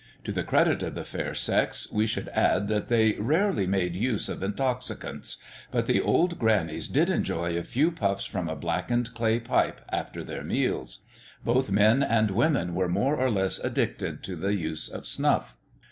To the credit of the fair sex, we should add that they rarely made use of intoxicants; but the old grannies did enjoy a few puffs from a blackened clay pipe after their meals. Both men and women were more or less addicted to the use of snuff.